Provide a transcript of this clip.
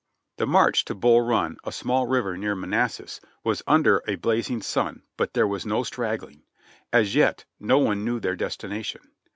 The march to Bull Run, a small river near Manassas, was under a blazing sun, but there was no straggling. As yet no one knew their destination.